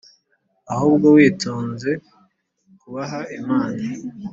ahubwo witoze kubaha Imana;